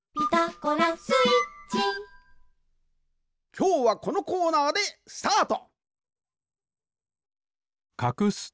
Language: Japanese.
きょうはこのコーナーでスタート！